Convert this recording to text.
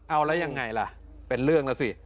เอาแล้วยังไงล่ะเป็นเรื่องแล้วสิ